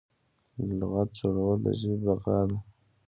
لغت جوړول د ژبې بقا ده.